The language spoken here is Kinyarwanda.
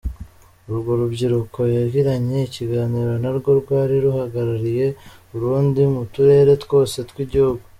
Urwo rubyiruko yagiranye ikiganiro na rwo, rwari ruhagarariye urundi mu turere twose tw’igihugu.